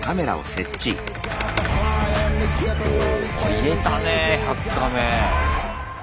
入れたね１００カメ。